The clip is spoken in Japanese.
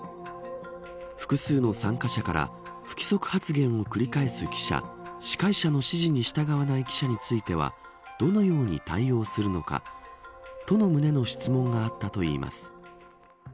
複数の参加者から不規則発言を繰り返す記者司会者の指示に従わない記者についてはどのように対応するのか。との旨の質問があったといいます。